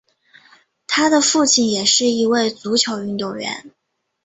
他的父亲也是一位足球运动员。